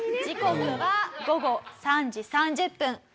時刻は午後３時３０分。